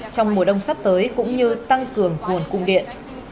trong mùa đông sắp tới cũng như tăng cường nguồn cung điện